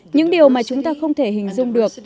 những điều mà chúng ta không thể hình dung